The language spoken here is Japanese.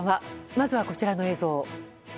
まずは、こちらの映像。